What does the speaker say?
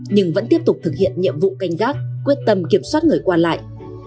nhưng vẫn tiếp tục thực hiện nhiệm vụ canh gác quyết tâm kiểm soát người qua lại